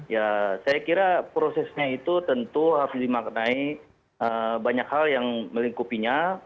ya saya kira prosesnya itu tentu harus dimaknai banyak hal yang melingkupinya